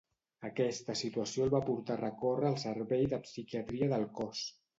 Aquesta situació el va portar a recórrer al servei de psiquiatria del cos.